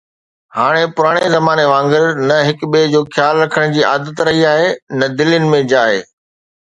هاڻ پراڻي زماني وانگر نه هڪ ٻئي جو خيال رکڻ جي عادت رهي آهي نه دلين ۾ جاءِ.